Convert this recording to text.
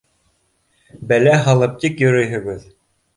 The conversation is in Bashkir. — Бәлә һалып тик йөрөйһөгөҙ.